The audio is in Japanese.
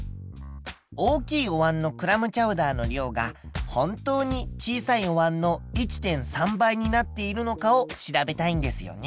大きいおわんのクラムチャウダーの量が本当に小さいおわんの１．３倍になっているのかを調べたいんですよね。